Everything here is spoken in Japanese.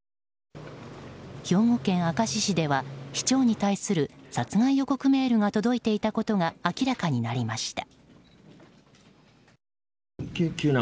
兵庫県明石市では市長に対する殺害予告メールが届いていたことが明らかになりました。